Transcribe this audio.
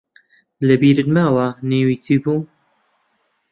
لەبیرت ماوە نێوی چی بوو؟